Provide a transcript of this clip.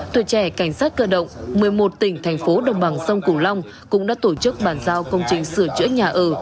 tuổi trẻ cảnh sát cơ động một mươi một tỉnh thành phố đồng bằng sông cửu long cũng đã tổ chức bàn giao công trình sửa chữa nhà ở